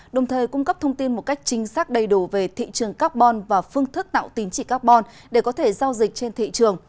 đồng thời cung cấp thông tin một cách chính xác đầy đủ về thị trường carbon và phương thức tạo tín chỉ carbon để có thể giao dịch trên thị trường